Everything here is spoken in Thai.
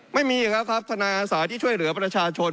ไม่มีครับครับทนายอาสาที่ช่วยเหลือประชาชน